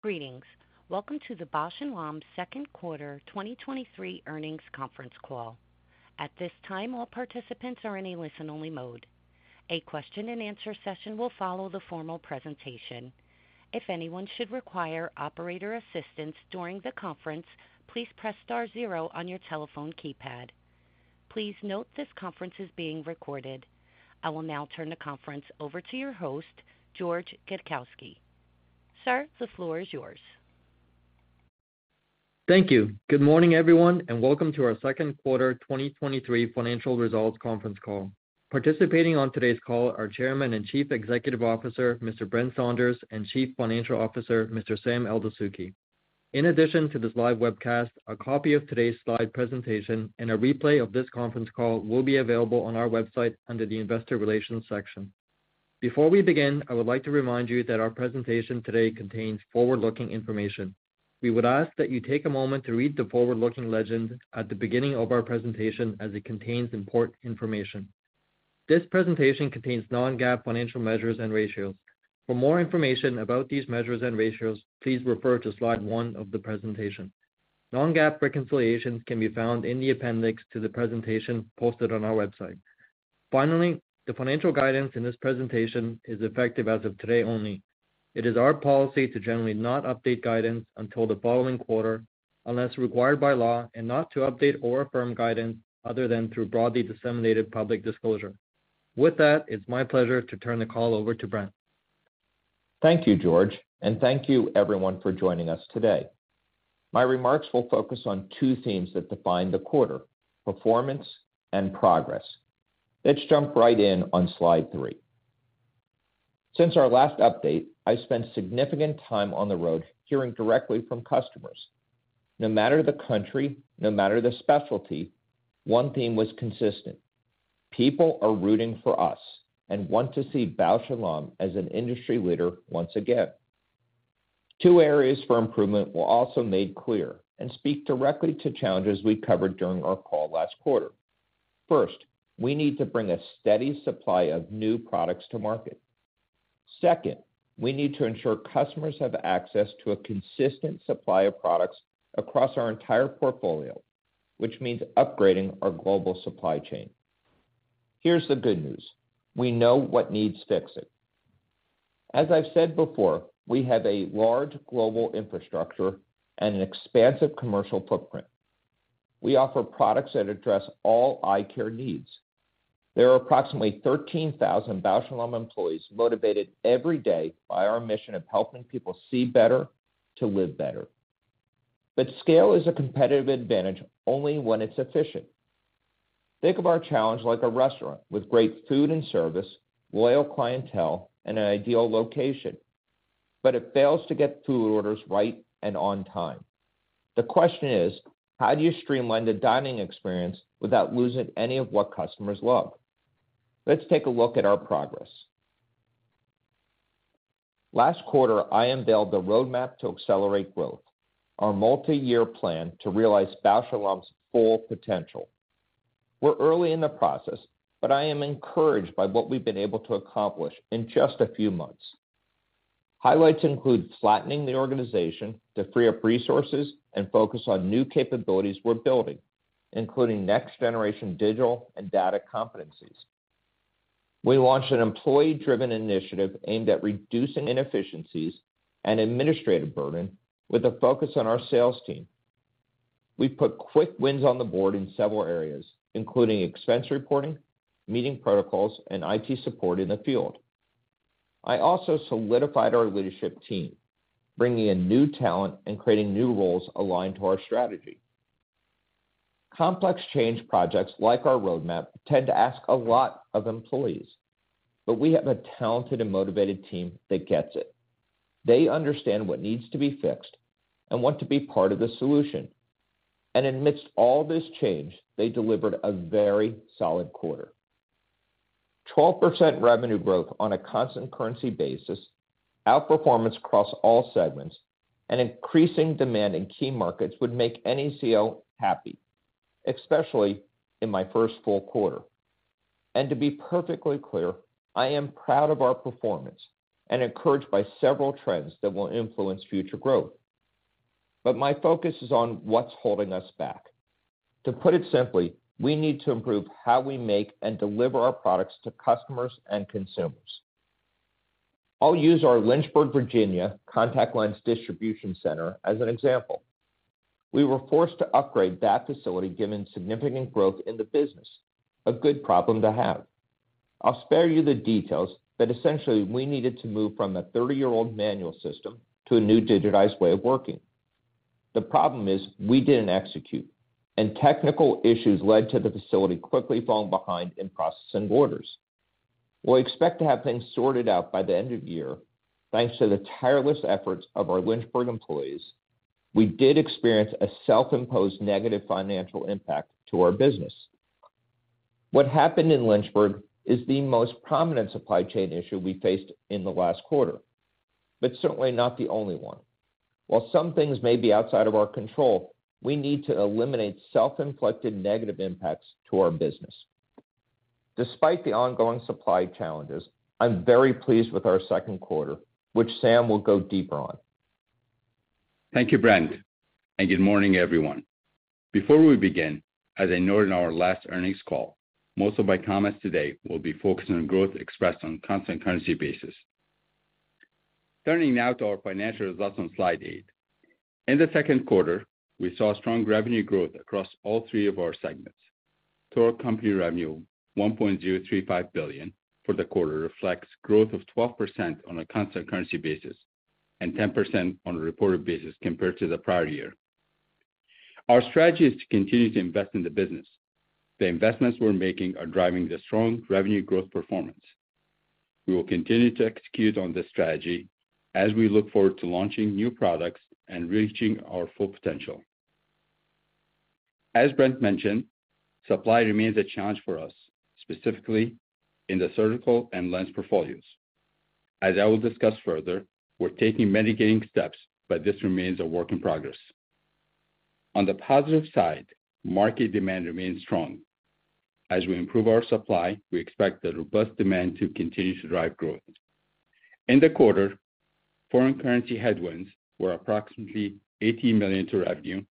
Greetings. Welcome to the Bausch + Lomb Second Quarter 2023 Earnings Conference Call. At this time, all participants are in a listen-only mode. A question and answer session will follow the formal presentation. If anyone should require operator assistance during the conference, please press star zero on your telephone keypad. Please note this conference is being recorded. I will now turn the conference over to your host, George Gadkowski. Sir, the floor is yours. Thank you. Good morning, everyone, and welcome to our second quarter 2023 financial results conference call. Participating on today's call are Chairman and Chief Executive Officer, Mr. Brent Saunders, and Chief Financial Officer, Mr. Sam Eldessouky. In addition to this live webcast, a copy of today's slide presentation and a replay of this conference call will be available on our website under the Investor Relations section. Before we begin, I would like to remind you that our presentation today contains forward-looking information. We would ask that you take a moment to read the forward-looking legend at the beginning of our presentation, as it contains important information. This presentation contains non-GAAP financial measures and ratios. For more information about these measures and ratios, please refer to slide one of the presentation. Non-GAAP reconciliations can be found in the appendix to the presentation posted on our website. Finally, the financial guidance in this presentation is effective as of today only. It is our policy to generally not update guidance until the following quarter, unless required by law, and not to update or affirm guidance other than through broadly disseminated public disclosure. With that, it's my pleasure to turn the call over to Brent. Thank you, George, and thank you everyone for joining us today. My remarks will focus on two themes that define the quarter, performance and progress. Let's jump right in on slide three. Since our last update, I spent significant time on the road hearing directly from customers. No matter the country, no matter the specialty, one theme was consistent, people are rooting for us and want to see Bausch + Lomb as an industry leader once again. Two areas for improvement were also made clear and speak directly to challenges we covered during our call last quarter. First, we need to bring a steady supply of new products to market. Second, we need to ensure customers have access to a consistent supply of products across our entire portfolio, which means upgrading our global supply chain. Here's the good news, we know what needs fixing. As I've said before, we have a large global infrastructure and an expansive commercial footprint. We offer products that address all eye care needs. There are approximately 13,000 Bausch + Lomb employees motivated every day by our mission of helping people see better, to live better. Scale is a competitive advantage only when it's efficient. Think of our challenge like a restaurant with great food and service, loyal clientele, and an ideal location, but it fails to get food orders right and on time. The question is, how do you streamline the dining experience without losing any of what customers love? Let's take a look at our progress. Last quarter, I unveiled the Roadmap to Accelerate Growth, our multi-year plan to realize Bausch + Lomb's full potential. We're early in the process, but I am encouraged by what we've been able to accomplish in just a few months. Highlights include flattening the organization to free up resources and focus on new capabilities we're building, including next generation digital and data competencies. We launched an employee-driven initiative aimed at reducing inefficiencies and administrative burden with a focus on our sales team. We put quick wins on the board in several areas, including expense reporting, meeting protocols, and IT support in the field. I also solidified our leadership team, bringing in new talent and creating new roles aligned to our strategy. Complex change projects like our roadmap tend to ask a lot of employees, but we have a talented and motivated team that gets it. They understand what needs to be fixed and want to be part of the solution. Amidst all this change, they delivered a very solid quarter. 12% revenue growth on a constant currency basis, outperformance across all segments, increasing demand in key markets would make any CEO happy, especially in my first full quarter. To be perfectly clear, I am proud of our performance and encouraged by several trends that will influence future growth. My focus is on what's holding us back. To put it simply, we need to improve how we make and deliver our products to customers and consumers. I'll use our Lynchburg, Virginia, contact lens distribution center as an example. We were forced to upgrade that facility given significant growth in the business. A good problem to have. I'll spare you the details, but essentially, we needed to move from a 30-year-old manual system to a new digitized way of working. The problem is, we didn't execute, technical issues led to the facility quickly falling behind in processing orders. We expect to have things sorted out by the end of year, thanks to the tireless efforts of our Lynchburg employees. We did experience a self-imposed negative financial impact to our business. What happened in Lynchburg is the most prominent supply chain issue we faced in the last quarter, certainly not the only one. While some things may be outside of our control, we need to eliminate self-inflicted negative impacts to our business. Despite the ongoing supply challenges, I'm very pleased with our second quarter, which Sam will go deeper on. Thank you, Brent. Good morning, everyone. Before we begin, as I noted in our last earnings call, most of my comments today will be focused on growth expressed on a constant currency basis. Turning now to our financial results on slide eight. In the second quarter, we saw strong revenue growth across all three of our segments. Total company revenue, $1.035 billion for the quarter, reflects growth of 12% on a constant currency basis and 10% on a reported basis compared to the prior year. Our strategy is to continue to invest in the business. The investments we're making are driving the strong revenue growth performance. We will continue to execute on this strategy as we look forward to launching new products and reaching our full potential. As Brent mentioned, supply remains a challenge for us, specifically in the surgical and lens portfolios. As I will discuss further, we're taking mitigating steps, but this remains a work in progress. On the positive side, market demand remains strong. As we improve our supply, we expect the robust demand to continue to drive growth. In the quarter, foreign currency headwinds were approximately $80 million to revenue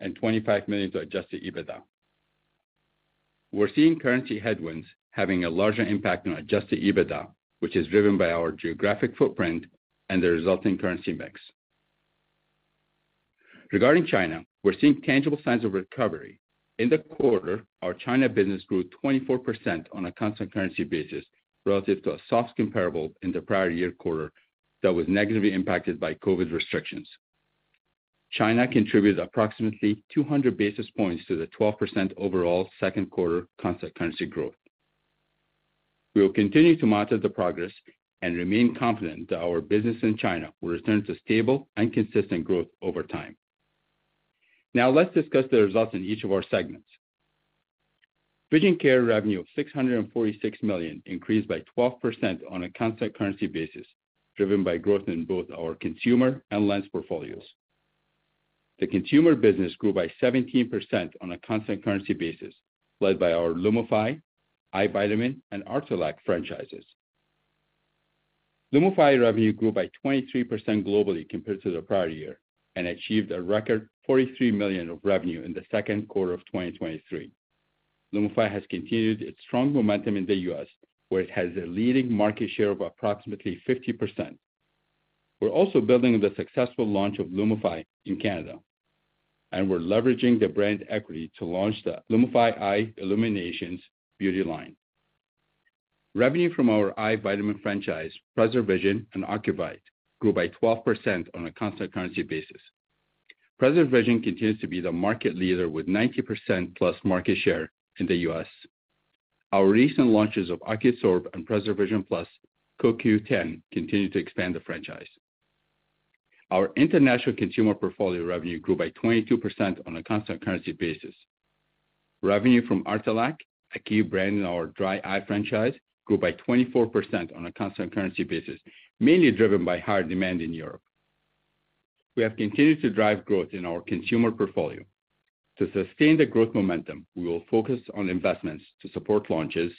and $25 million to Adjusted EBITDA. We're seeing currency headwinds having a larger impact on Adjusted EBITDA, which is driven by our geographic footprint and the resulting currency mix. Regarding China, we're seeing tangible signs of recovery. In the quarter, our China business grew 24% on a constant currency basis relative to a soft comparable in the prior year quarter that was negatively impacted by COVID restrictions. China contributed approximately 200 basis points to the 12% overall second quarter constant currency growth. We will continue to monitor the progress and remain confident that our business in China will return to stable and consistent growth over time. Now, let's discuss the results in each of our segments. Vision Care revenue of $646 million increased by 12% on a constant currency basis, driven by growth in both our consumer and lens portfolios. The consumer business grew by 17% on a constant currency basis, led by our LUMIFY, Eye Vitamin, and Artelac franchises. LUMIFY revenue grew by 23% globally compared to the prior year and achieved a record $43 million of revenue in the second quarter of 2023. LUMIFY has continued its strong momentum in the U.S., where it has a leading market share of approximately 50%. We're also building the successful launch of LUMIFY in Canada, and we're leveraging the brand equity to launch the LUMIFY EYE ILLUMINATIONS beauty line. Revenue from our Eye Vitamin franchise, PreserVision and Ocuvite, grew by 12% on a constant currency basis. PreserVision continues to be the market leader with 90%+ market share in the US. Our recent launches of OCUSorb and PreserVision Plus CoQ10 continue to expand the franchise. Our international consumer portfolio revenue grew by 22% on a constant currency basis. Revenue from Artelac, a key brand in our dry eye franchise, grew by 24% on a constant currency basis, mainly driven by higher demand in Europe. We have continued to drive growth in our consumer portfolio. To sustain the growth momentum, we will focus on investments to support launches,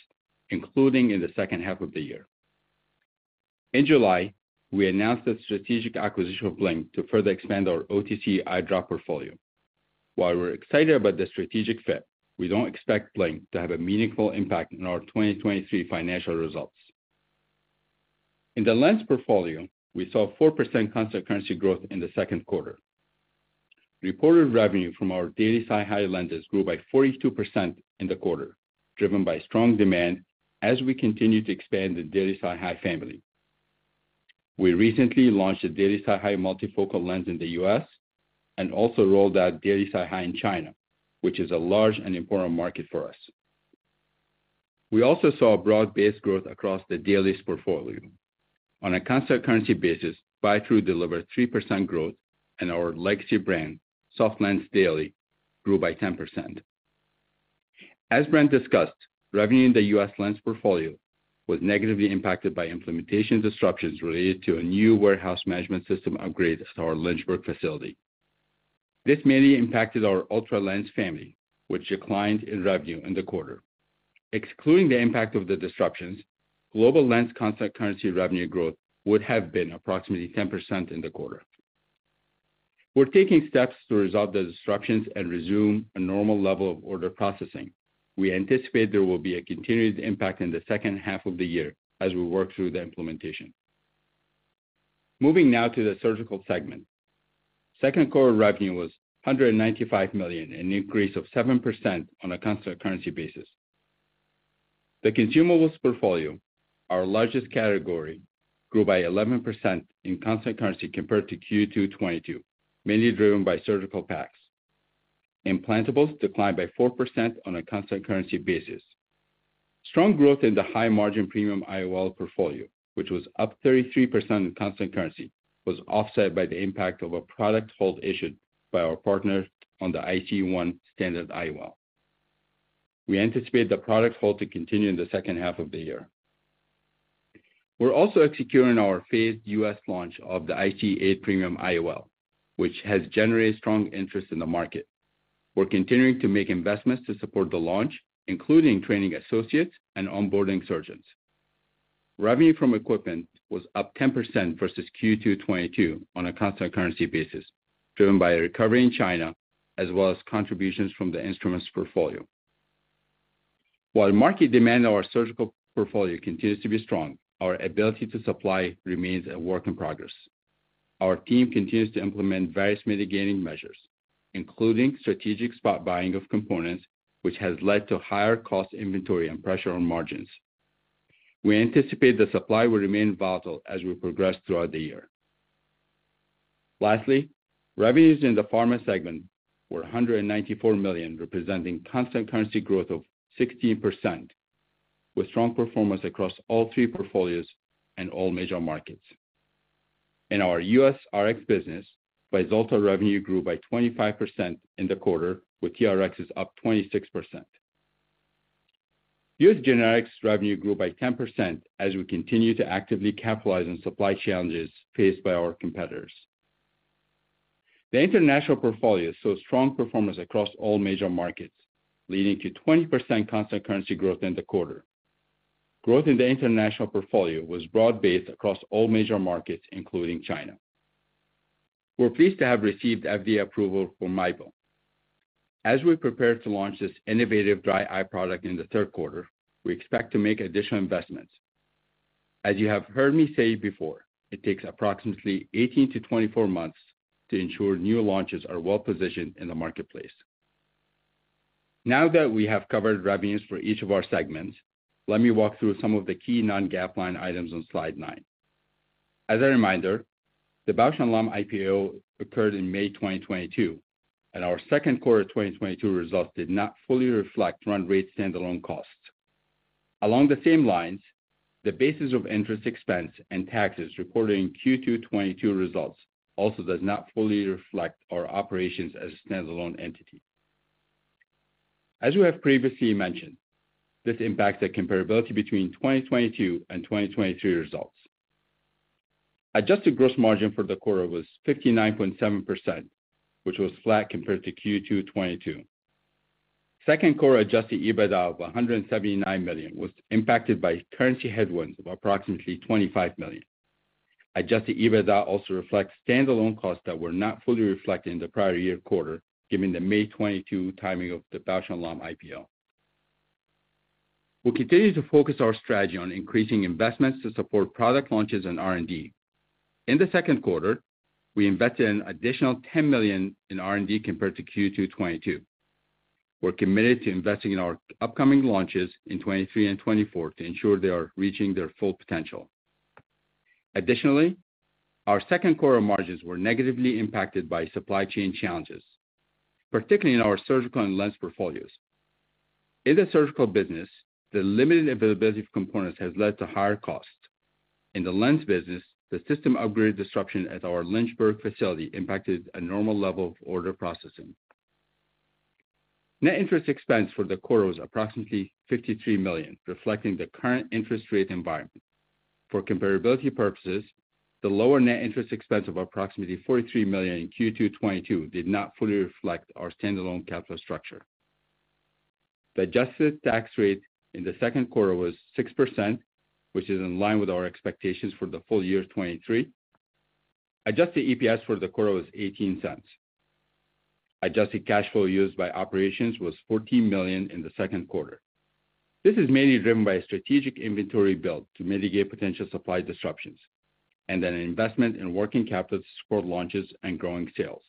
including in the second half of the year. In July, we announced the strategic acquisition of Blink to further expand our OTC eye drop portfolio. While we're excited about the strategic fit, we don't expect Blink to have a meaningful impact in our 2023 financial results. In the lens portfolio, we saw 4% constant currency growth in the second quarter. Reported revenue from our Daily SiHy lenses grew by 42% in the quarter, driven by strong demand as we continue to expand the Daily SiHy family. We recently launched a Daily SiHy multifocal lens in the U.S., and also rolled out Daily SiHy in China, which is a large and important market for us. We also saw a broad-based growth across the dailies portfolio. On a constant currency basis, Biotrue delivered 3% growth, and our legacy brand, SofLens Daily, grew by 10%. As Brent discussed, revenue in the U.S. lens portfolio was negatively impacted by implementation disruptions related to a new warehouse management system upgrade at our Lynchburg facility. This mainly impacted our ULTRA lens family, which declined in revenue in the quarter. Excluding the impact of the disruptions, global lens constant currency revenue growth would have been approximately 10% in the quarter. We're taking steps to resolve the disruptions and resume a normal level of order processing. We anticipate there will be a continued impact in the second half of the year as we work through the implementation. Moving now to the surgical segment. Second quarter revenue was $195 million, an increase of 7% on a constant currency basis. The consumables portfolio, our largest category, grew by 11% in constant currency compared to Q2 2020, mainly driven by surgical packs. Implantables declined by 4% on a constant currency basis. Strong growth in the high-margin premium IOL portfolio, which was up 33% in constant currency, was offset by the impact of a product hold issued by our partners on the IG1 standard IOL. We anticipate the product hold to continue in the second half of the year. We're also executing our phased U.S. launch of the IC-8 premium IOL, which has generated strong interest in the market. We're continuing to make investments to support the launch, including training associates and onboarding surgeons. Revenue from equipment was up 10% versus Q2 2022 on a constant currency basis, driven by a recovery in China, as well as contributions from the instruments portfolio. While market demand on our surgical portfolio continues to be strong, our ability to supply remains a work in progress. Our team continues to implement various mitigating measures, including strategic spot buying of components, which has led to higher cost inventory and pressure on margins. We anticipate the supply will remain volatile as we progress throughout the year. Lastly, revenues in the pharma segment were $194 million, representing constant currency growth of 16%, with strong performance across all three portfolios and all major markets. In our U.S. Rx business, Vyzulta revenue grew by 25% in the quarter, with TRXs up 26%. U.S. generics revenue grew by 10% as we continue to actively capitalize on supply challenges faced by our competitors. The international portfolio saw strong performance across all major markets, leading to 20% constant currency growth in the quarter. Growth in the international portfolio was broad-based across all major markets, including China. We're pleased to have received FDA approval for MIEBO. As we prepare to launch this innovative dry eye product in the third quarter, we expect to make additional investments. As you have heard me say before, it takes approximately 18-24 months to ensure new launches are well-positioned in the marketplace. Now that we have covered revenues for each of our segments, let me walk through some of the key non-GAAP line items on slide nine. As a reminder, the Bausch + Lomb IPO occurred in May 2022, and our second quarter 2022 results did not fully reflect run rate standalone costs. Along the same lines, the basis of interest expense and taxes reported in Q2 2022 results also does not fully reflect our operations as a standalone entity. As we have previously mentioned, this impacts the comparability between 2022 and 2023 results. Adjusted gross margin for the quarter was 59.7%, which was flat compared to Q2 2022. Second quarter Adjusted EBITDA of $179 million was impacted by currency headwinds of approximately $25 million. Adjusted EBITDA also reflects standalone costs that were not fully reflected in the prior year quarter, given the May 2022 timing of the Bausch + Lomb IPO. We'll continue to focus our strategy on increasing investments to support product launches and R&D. In the second quarter, we invested an additional $10 million in R&D compared to Q2 2022. We're committed to investing in our upcoming launches in 2023 and 2024 to ensure they are reaching their full potential. Our second quarter margins were negatively impacted by supply chain challenges, particularly in our surgical and lens portfolios. In the surgical business, the limited availability of components has led to higher costs. In the lens business, the system upgrade disruption at our Lynchburg facility impacted a normal level of order processing. Net interest expense for the quarter was approximately $53 million, reflecting the current interest rate environment. For comparability purposes, the lower net interest expense of approximately $43 million in Q2 2022 did not fully reflect our standalone capital structure. The adjusted tax rate in the second quarter was 6%, which is in line with our expectations for the full year 2023. Adjusted EPS for the quarter was $0.18. Adjusted cash flow used by operations was $14 million in the second quarter. This is mainly driven by a strategic inventory build to mitigate potential supply disruptions, and an investment in working capital to support launches and growing sales.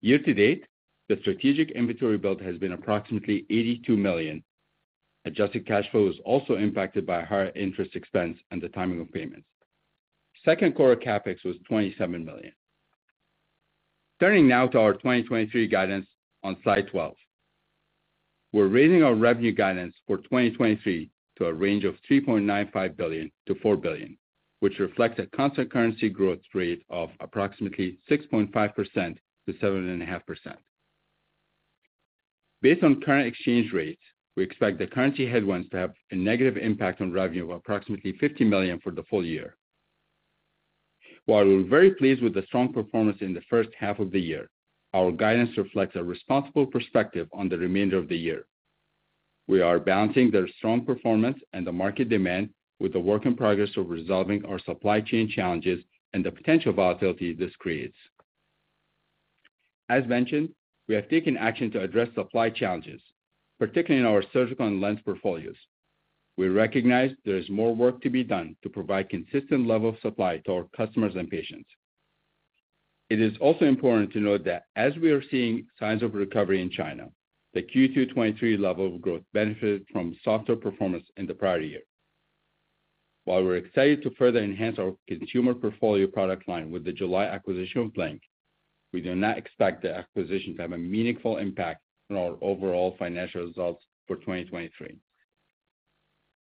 Year to date, the strategic inventory build has been approximately $82 million. Adjusted cash flow was also impacted by higher interest expense and the timing of payments. Second quarter CapEx was $27 million. Turning now to our 2023 guidance on slide 12. We're raising our revenue guidance for 2023 to a range of $3.95 billion-$4 billion, which reflects a constant currency growth rate of approximately 6.5%-7.5%. Based on current exchange rates, we expect the currency headwinds to have a negative impact on revenue of approximately $50 million for the full year. While we're very pleased with the strong performance in the first half of the year, our guidance reflects a responsible perspective on the remainder of the year. We are balancing the strong performance and the market demand with the work in progress of resolving our supply chain challenges and the potential volatility this creates. As mentioned, we have taken action to address supply challenges, particularly in our surgical and lens portfolios. We recognize there is more work to be done to provide consistent level of supply to our customers and patients. It is also important to note that as we are seeing signs of recovery in China, the Q2 2023 level of growth benefited from softer performance in the prior year. While we're excited to further enhance our consumer portfolio product line with the July acquisition of Blink, we do not expect the acquisition to have a meaningful impact on our overall financial results for 2023.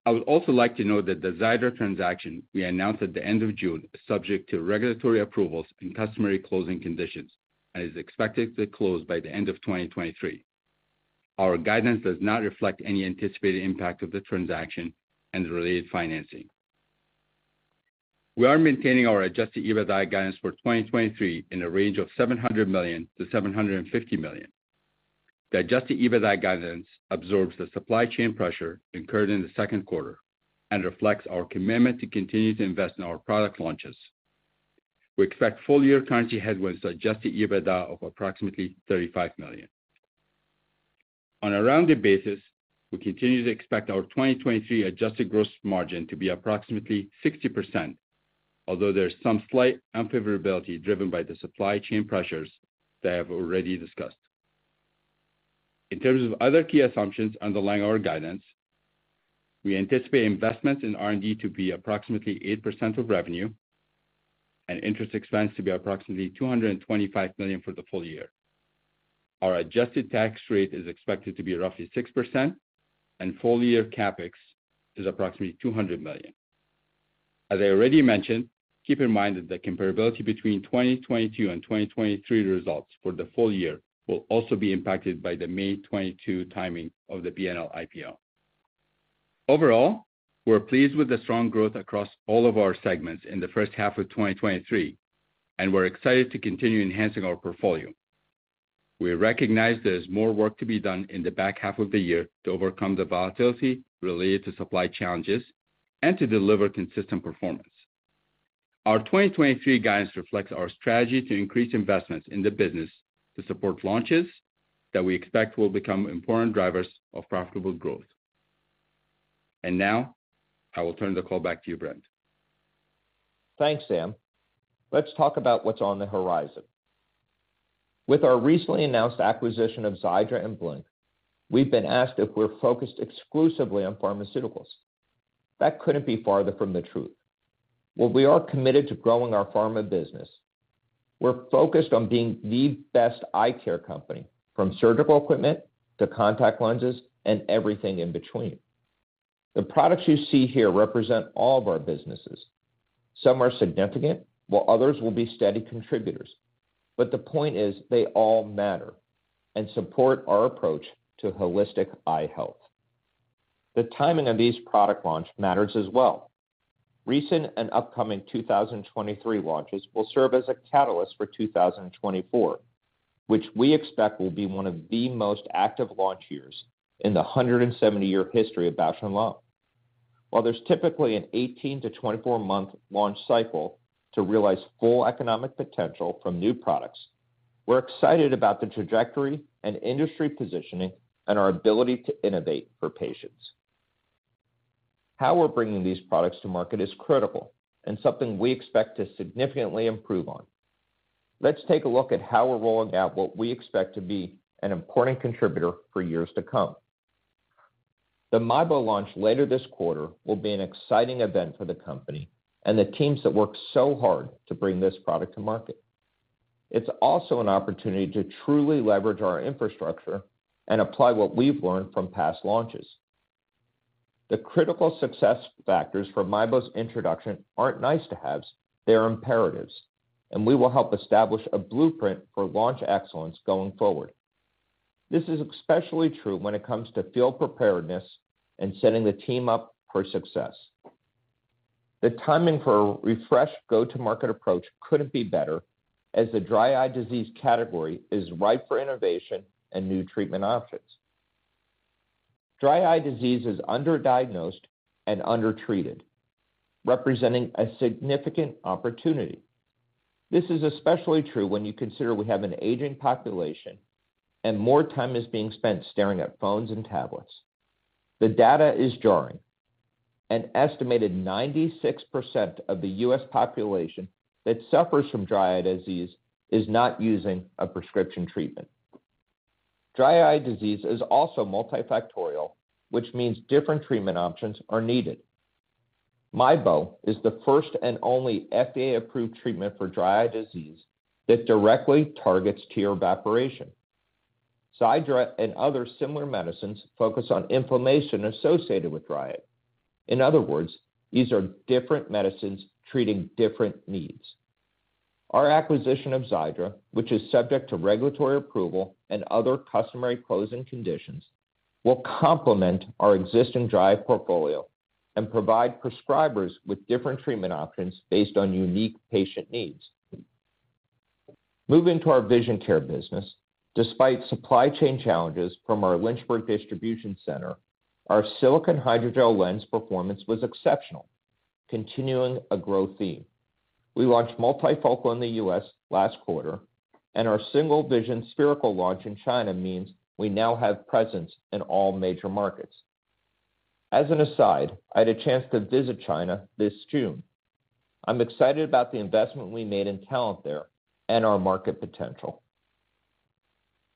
I would also like to note that the Xiidra transaction we announced at the end of June is subject to regulatory approvals and customary closing conditions, and is expected to close by the end of 2023. Our guidance does not reflect any anticipated impact of the transaction and the related financing. We are maintaining our Adjusted EBITDA guidance for 2023 in a range of $700 million-$750 million. The Adjusted EBITDA guidance absorbs the supply chain pressure incurred in the second quarter and reflects our commitment to continue to invest in our product launches. We expect full-year currency headwinds to Adjusted EBITDA of approximately $35 million. On a rounded basis, we continue to expect our 2023 adjusted gross margin to be approximately 60%, although there is some slight unfavorability driven by the supply chain pressures that I have already discussed. In terms of other key assumptions underlying our guidance, we anticipate investments in R&D to be approximately 8% of revenue and interest expense to be approximately $225 million for the full year. Our adjusted tax rate is expected to be roughly 6%, and full-year CapEx is approximately $200 million. As I already mentioned, keep in mind that the comparability between 2022 and 2023 results for the full year will also be impacted by the May 2022 timing of the B+L IPO. Overall, we're pleased with the strong growth across all of our segments in the first half of 2023, and we're excited to continue enhancing our portfolio. We recognize there is more work to be done in the back half of the year to overcome the volatility related to supply challenges and to deliver consistent performance. Our 2023 guidance reflects our strategy to increase investments in the business to support launches that we expect will become important drivers of profitable growth. Now, I will turn the call back to you, Brent. Thanks, Sam. Let's talk about what's on the horizon. With our recently announced acquisition of Xiidra and Blink, we've been asked if we're focused exclusively on pharmaceuticals. That couldn't be farther from the truth. While we are committed to growing our pharma business, we're focused on being the best eye care company, from surgical equipment to contact lenses and everything in between. The products you see here represent all of our businesses. Some are significant, while others will be steady contributors. The point is, they all matter and support our approach to holistic eye health. The timing of these product launch matters as well. Recent and upcoming 2023 launches will serve as a catalyst for 2024, which we expect will be one of the most active launch years in the 170-year history of Bausch + Lomb. While there's typically an 18-24-month launch cycle to realize full economic potential from new products, we're excited about the trajectory and industry positioning and our ability to innovate for patients. How we're bringing these products to market is critical and something we expect to significantly improve on. Let's take a look at how we're rolling out what we expect to be an important contributor for years to come. The MIEBO launch later this quarter will be an exciting event for the company and the teams that work so hard to bring this product to market. It's also an opportunity to truly leverage our infrastructure and apply what we've learned from past launches. The critical success factors for MIEBO's introduction aren't nice to haves, they are imperatives, and we will help establish a blueprint for launch excellence going forward. This is especially true when it comes to field preparedness and setting the team up for success. The timing for a refreshed go-to-market approach couldn't be better, as the dry eye disease category is ripe for innovation and new treatment options. Dry eye disease is underdiagnosed and undertreated, representing a significant opportunity. This is especially true when you consider we have an aging population, and more time is being spent staring at phones and tablets. The data is jarring. An estimated 96% of the U.S. population that suffers from dry eye disease is not using a prescription treatment. Dry eye disease is also multifactorial, which means different treatment options are needed. MIEBO is the first and only FDA-approved treatment for dry eye disease that directly targets tear evaporation. Xiidra and other similar medicines focus on inflammation associated with dry eye. In other words, these are different medicines treating different needs. Our acquisition of Xiidra, which is subject to regulatory approval and other customary closing conditions, will complement our existing dry eye portfolio and provide prescribers with different treatment options based on unique patient needs. Moving to our Vision Care business, despite supply chain challenges from our Lynchburg distribution center, our silicone hydrogel lens performance was exceptional, continuing a growth theme. We launched multifocal in the U.S. last quarter. Our single vision spherical launch in China means we now have presence in all major markets. As an aside, I had a chance to visit China this June. I'm excited about the investment we made in talent there and our market potential.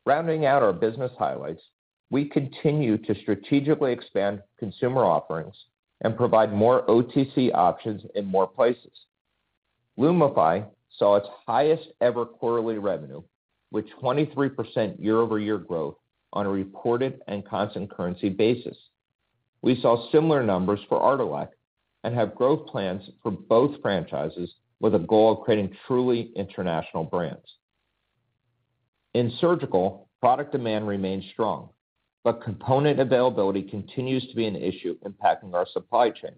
Rounding out our business highlights, we continue to strategically expand consumer offerings and provide more OTC options in more places. LUMIFY saw its highest-ever quarterly revenue, with 23% year-over-year growth on a reported and constant currency basis. We saw similar numbers for Artelac and have growth plans for both franchises with a goal of creating truly international brands. In surgical, product demand remains strong, but component availability continues to be an issue impacting our supply chain.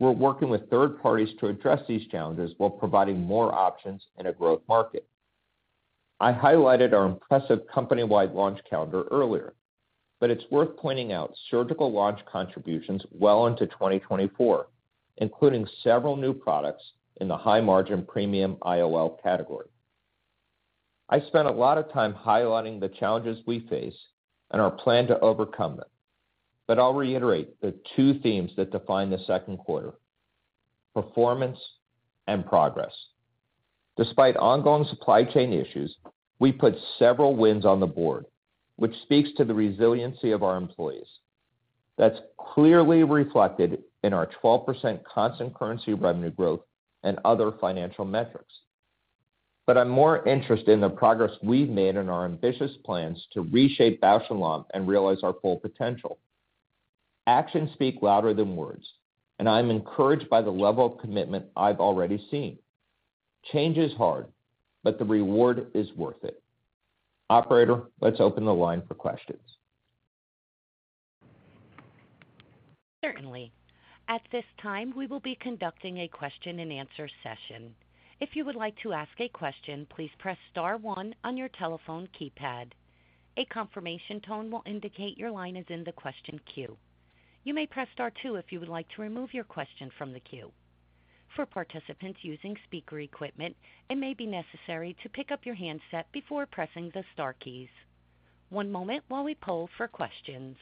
We're working with third parties to address these challenges while providing more options in a growth market. I highlighted our impressive company-wide launch calendar earlier, but it's worth pointing out surgical launch contributions well into 2024, including several new products in the high margin premium IOL category. I spent a lot of time highlighting the challenges we face and our plan to overcome them, but I'll reiterate the two themes that define the second quarter: performance and progress. Despite ongoing supply chain issues, we put several wins on the board, which speaks to the resiliency of our employees. That's clearly reflected in our 12% constant currency revenue growth and other financial metrics. I'm more interested in the progress we've made in our ambitious plans to reshape Bausch + Lomb and realize our full potential. Actions speak louder than words, and I'm encouraged by the level of commitment I've already seen. Change is hard, but the reward is worth it. Operator, let's open the line for questions. Certainly. At this time, we will be conducting a Q&A session. If you would like to ask a question, please press star one on your telephone keypad. A confirmation tone will indicate your line is in the question queue. You may press star two if you would like to remove your question from the queue. For participants using speaker equipment, it may be necessary to pick up your handset before pressing the star keys. One moment while we poll for questions.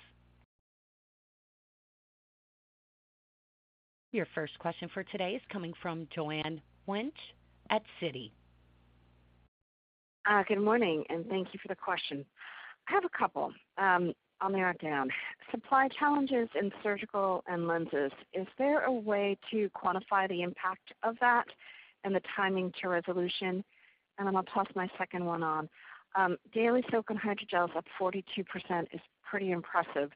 Your first question for today is coming from Joanne Wuensch at Citi. Good morning, thank you for the question. I have a couple, I'll narrow it down. Supply challenges in surgical and lenses, is there a way to quantify the impact of that and the timing to resolution? Then I'll toss my second one on. Daily silicone hydrogels up 42% is pretty impressive.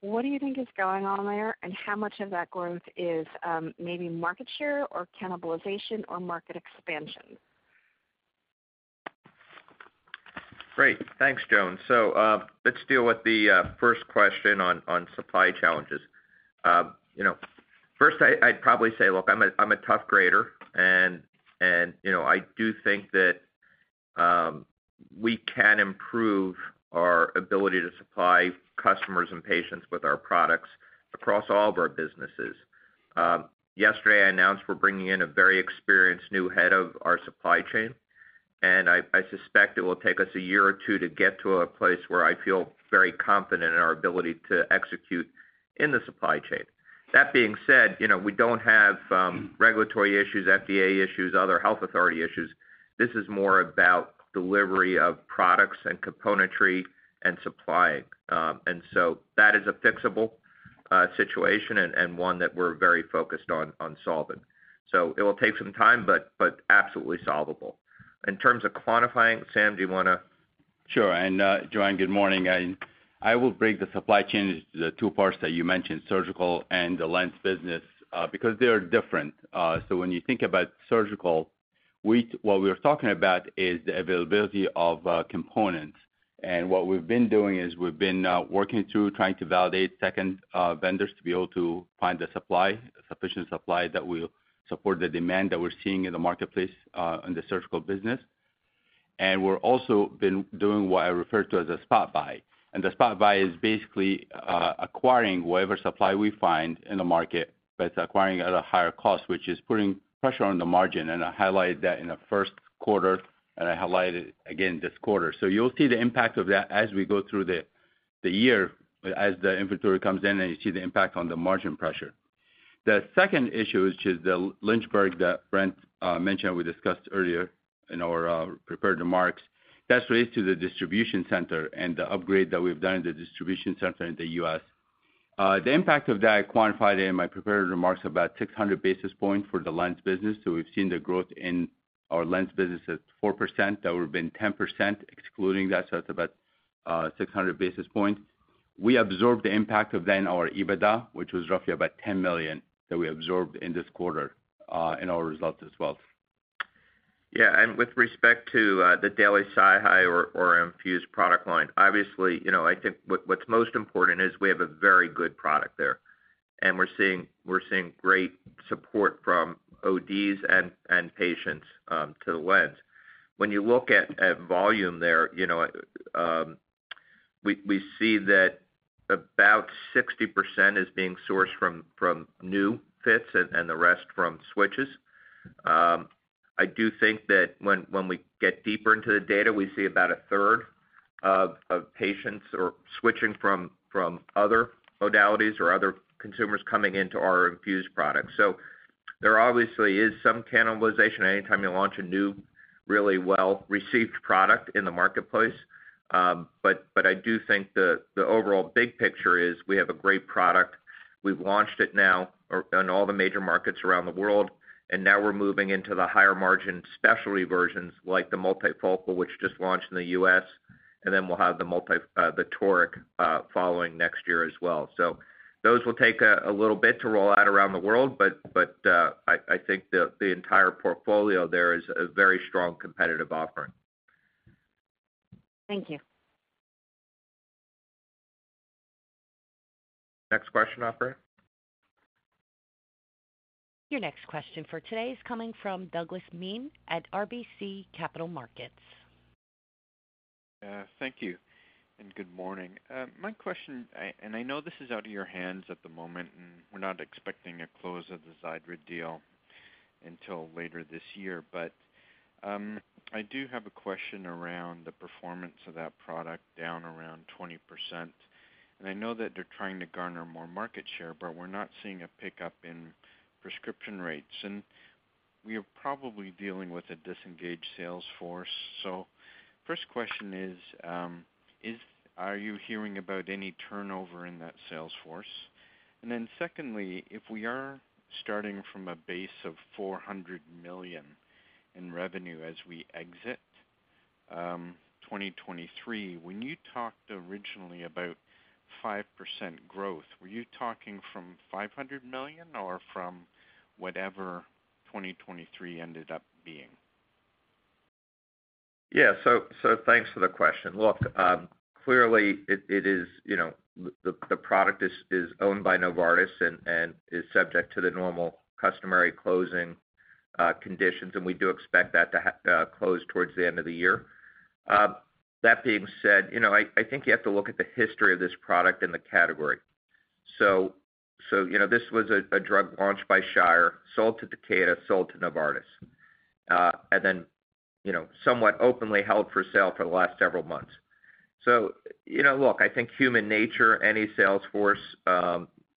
What do you think is going on there, and how much of that growth is maybe market share or cannibalization or market expansion? Great. Thanks, Joanne. Let's deal with the first question on supply challenges. You know, first, I, I'd probably say, look, I'm a, I'm a tough grader, and, and, you know, I do think that we can improve our ability to supply customers and patients with our products across all of our businesses. Yesterday, I announced we're bringing in a very experienced new head of our supply chain, and I, I suspect it will take us a year or two to get to a place where I feel very confident in our ability to execute in the supply chain. That being said, you know, we don't have regulatory issues, FDA issues, other health authority issues. This is more about delivery of products and componentry and supplying. That is a fixable situation and, and one that we're very focused on, on solving. It will take some time, but, but absolutely solvable. In terms of quantifying, Sam, do you want to? Sure. Joanne, good morning. I will break the supply chain into the two parts that you mentioned, surgical and the lens business, because they are different. When you think about surgical, what we were talking about is the availability of components. What we've been doing is we've been working through trying to validate second vendors to be able to find the supply, sufficient supply that will support the demand that we're seeing in the marketplace in the surgical business. We're also been doing what I refer to as a spot buy. The spot buy is basically acquiring whatever supply we find in the market, but it's acquiring at a higher cost, which is putting pressure on the margin, and I highlighted that in the first quarter, and I highlighted again this quarter. You'll see the impact of that as we go through the year, as the inventory comes in, and you see the impact on the margin pressure. The second issue, which is the Lynchburg that Brent mentioned, we discussed earlier in our prepared remarks, that's related to the distribution center and the upgrade that we've done in the distribution center in the U.S. The impact of that, I quantified in my prepared remarks about 600 basis points for the lens business. We've seen the growth in our lens business at 4%. That would have been 10%, excluding that, so that's about 600 basis points. We absorbed the impact of then our EBITDA, which was roughly about $10 million, that we absorbed in this quarter, in our results as well. Yeah, with respect to the IDEAL SiHy or, or INFUSE product line, obviously, you know, I think what, what's most important is we have a very good product there, and we're seeing, we're seeing great support from ODs and, and patients to the lens. When you look at, at volume there, you know, we, we see that about 60% is being sourced from, from new fits and, and the rest from switches. I do think that when, when we get deeper into the data, we see about a third of, of patients are switching from, from other modalities or other consumers coming into our INFUSE products. There obviously is some cannibalization anytime you launch a new, really well-received product in the marketplace, but, but I do think the, the overall big picture is we have a great product. We've launched it now or in all the major markets around the world. Now we're moving into the higher margin specialty versions, like the multifocal, which just launched in the U.S., and then we'll have the multi, the toric, following next year as well. Those will take a little bit to roll out around the world, but I think the entire portfolio there is a very strong competitive offering. Thank you. Next question, operator. Your next question for today is coming from Douglas Miehm at RBC Capital Markets. Thank you, and good morning. My question, I-- and I know this is out of your hands at the moment, and we're not expecting a close of the Xiidra deal until later this year. I do have a question around the performance of that product down around 20%, and I know that they're trying to garner more market share, but we're not seeing a pickup in prescription rates, and we are probably dealing with a disengaged sales force. First question is, is, are you hearing about any turnover in that sales force? Then secondly, if we are starting from a base of $400 million in revenue as we exit 2023, when you talked originally about 5% growth, were you talking from $500 million or from whatever 2023 ended up being? Yeah, thanks for the question. Look, clearly, it is, you know, the product is owned by Novartis and is subject to the normal customary closing conditions, and we do expect that to close towards the end of the year. That being said, you know, I think you have to look at the history of this product in the category. You know, this was a drug launched by Shire, sold to Takeda, sold to Novartis, and then, you know, somewhat openly held for sale for the last several months. You know, look, I think human nature, any sales force,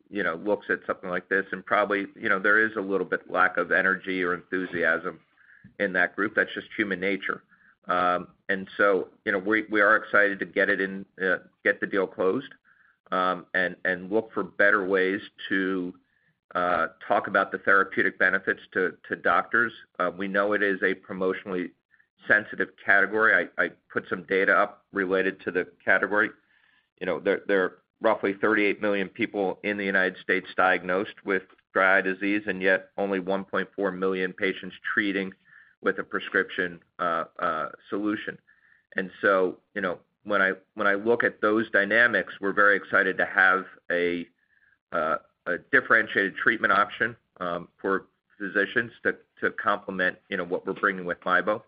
you know, looks at something like this and probably, you know, there is a little bit lack of energy or enthusiasm in that group. That's just human nature. You know, we, we are excited to get it in, get the deal closed, and look for better ways to talk about the therapeutic benefits to doctors. We know it is a promotionally sensitive category. I, I put some data up related to the category. You know, there, there are roughly 38 million people in the U.S. diagnosed with dry eye disease, and yet only 1.4 million patients treating with a prescription solution. You know, when I, when I look at those dynamics, we're very excited to have a differentiated treatment option for physicians to complement, you know, what we're bringing with MIEBO.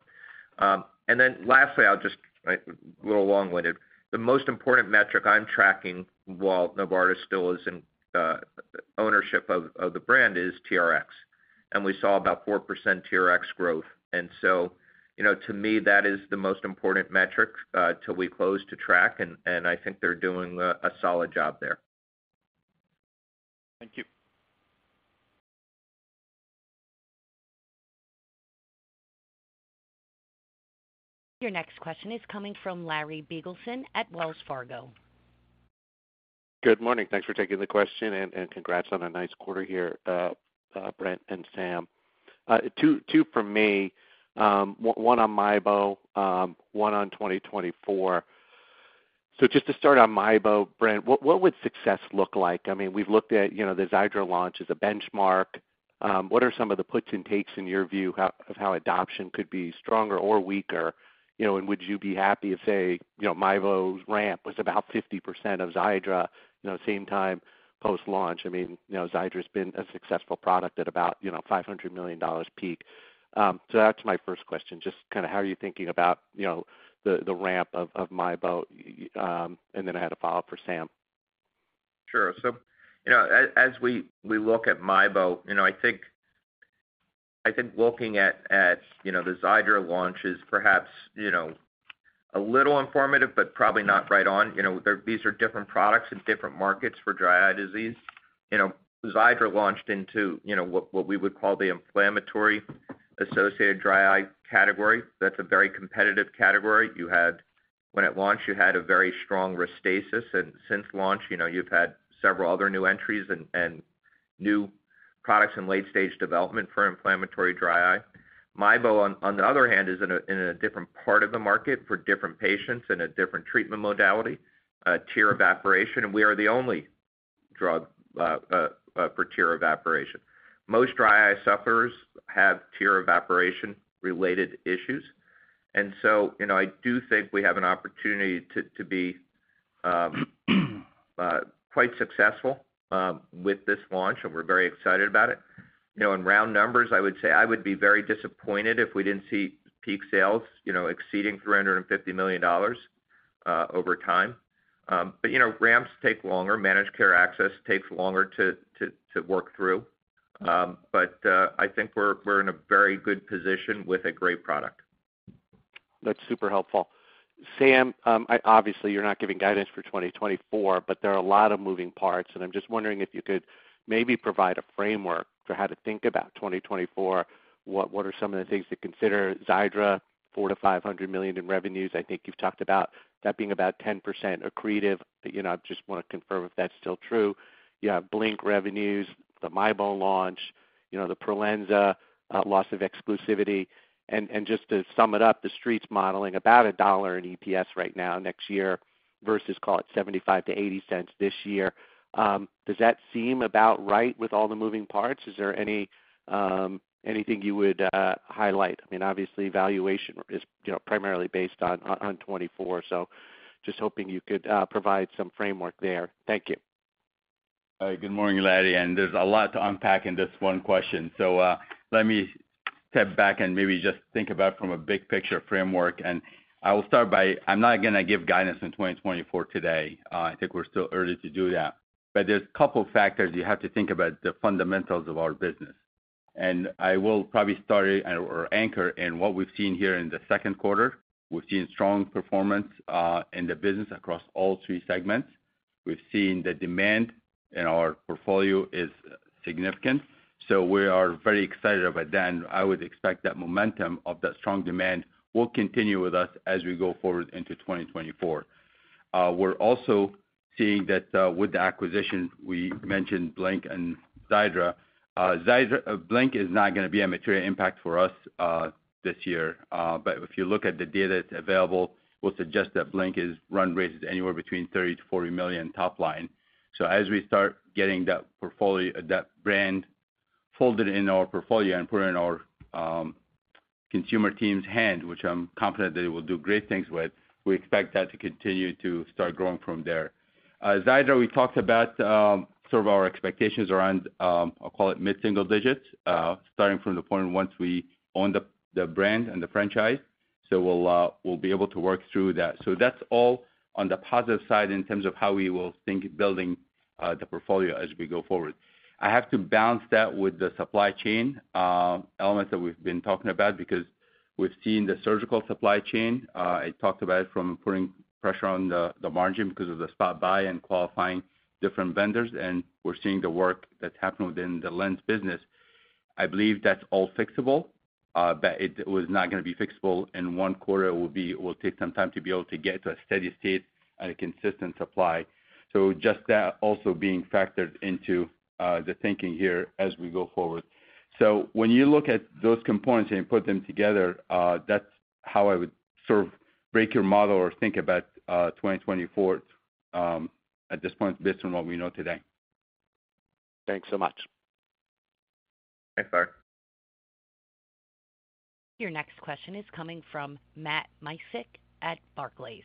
Lastly, I'll just a little long-winded. The most important metric I'm tracking while Novartis still is in ownership of, of the brand, is TRx, and we saw about 4% TRx growth. You know, to me, that is the most important metric till we close to track, and, and I think they're doing a, a solid job there. Thank you. Your next question is coming from Larry Biegelsen at Wells Fargo. Good morning. Thanks for taking the question, and congrats on a nice quarter here, Brent and Sam. Two from me, one on MIEBO, one on 2024. Just to start on MIEBO, Brent, what would success look like? I mean, we've looked at, you know, the Xiidra launch as a benchmark. What are some of the puts and takes, in your view, of how adoption could be stronger or weaker? You know, would you be happy if, say, you know, MIEBO's ramp was about 50% of Xiidra, you know, same time post-launch? I mean, you know, Xiidra's been a successful product at about, you know, $500 million peak. That's my first question. Just kind of how are you thinking about, you know, the ramp of MIEBO? Then I had a follow-up for Sam. Sure. You know, as, as we, we look at MIEBO, you know, I think, I think looking at, at, you know, the Xiidra launch is perhaps, you know, a little informative, but probably not right on. You know, these are different products and different markets for dry eye disease. You know, Xiidra launched into, you know, what, what we would call the inflammatory-associated dry eye category. That's a very competitive category. When it launched, you had a very strong Restasis, and since launch, you know, you've had several other new entries and, and new products in late-stage development for inflammatory dry eye. MIEBO, on, on the other hand, is in a, in a different part of the market for different patients and a different treatment modality, tear evaporation, and we are the only drug for tear evaporation. Most dry eye sufferers have tear evaporation-related issues. So, you know, I do think we have an opportunity to, to be quite successful with this launch, and we're very excited about it. You know, in round numbers, I would say I would be very disappointed if we didn't see peak sales, you know, exceeding $350 million over time. You know, ramps take longer. Managed care access takes longer to, to, to work through. I think we're, we're in a very good position with a great product. That's super helpful. Sam, I obviously you're not giving guidance for 2024, but there are a lot of moving parts, and I'm just wondering if you could. Maybe provide a framework for how to think about 2024. What, what are some of the things to consider? Xiidra, $400 million-$500 million in revenues. I think you've talked about that being about 10% accretive. You know, I just wanna confirm if that's still true. You have Blink revenues, the MIEBO launch, you know, the Prolensa loss of exclusivity. Just to sum it up, the Street's modeling about $1 in EPS right now next year, versus, call it $0.75-$0.80 this year. Does that seem about right with all the moving parts? Is there any anything you would highlight? I mean, obviously, valuation is, you know, primarily based on, on, on 2024, just hoping you could provide some framework there. Thank you. Good morning, Larry, there's a lot to unpack in this one question. Let me step back and maybe just think about from a big-picture framework. I will start by, I'm not gonna give guidance in 2024 today. I think we're still early to do that. There's a couple factors you have to think about the fundamentals of our business. I will probably start or, or anchor in what we've seen here in the second quarter. We've seen strong performance in the business across all three segments. We've seen the demand in our portfolio is significant, so we are very excited about that, and I would expect that momentum of that strong demand will continue with us as we go forward into 2024. We're also seeing that with the acquisition, we mentioned Blink and Xiidra. Xiidra-- Blink is not gonna be a material impact for us this year, if you look at the data that's available, we'll suggest that Blink is run rates anywhere between $30 million-$40 million top line. As we start getting that portfolio-- that brand folded in our portfolio and put in our consumer team's hand, which I'm confident they will do great things with, we expect that to continue to start growing from there. Xiidra, we talked about sort of our expectations around I'll call it mid-single digits, starting from the point once we own the, the brand and the franchise. We'll, we'll be able to work through that. That's all on the positive side in terms of how we will think building the portfolio as we go forward. I have to balance that with the supply chain elements that we've been talking about because we've seen the surgical supply chain, I talked about it, from putting pressure on the margin because of the spot buy and qualifying different vendors, and we're seeing the work that's happening within the lens business. I believe that's all fixable, but it, it was not gonna be fixable in 1 quarter. It will take some time to be able to get to a steady state and a consistent supply. Just that also being factored into the thinking here as we go forward. When you look at those components and put them together, that's how I would sort of break your model or think about 2024 at this point, based on what we know today. Thanks so much. Thanks, Larry. Your next question is coming from Matt Miksic at Barclays.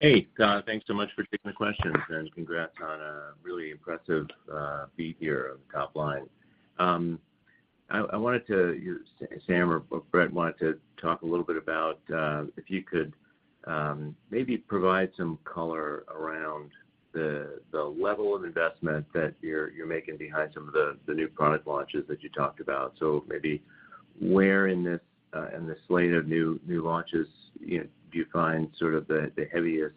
Hey, thanks so much for taking the questions, and congrats on a really impressive, beat here of the top line. I wanted to, Sam or Brett, wanted to talk a little bit about, if you could, maybe provide some color around the, the level of investment that you're, you're making behind some of the, the new product launches that you talked about. Maybe where in this, in this slate of new, new launches, you know, do you find sort of the, the heaviest